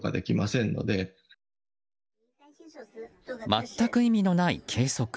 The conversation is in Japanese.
全く意味のない計測。